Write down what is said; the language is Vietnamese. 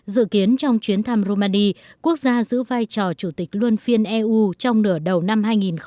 dự kiến trong chuyến thăm romani quốc gia giữ vai trò chủ tịch luân phiên eu trong nửa đầu năm hai nghìn hai mươi